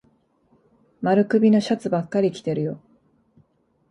丸首のシャツばっかり着てるよ。